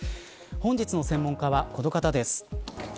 本日の専門家はこの方です。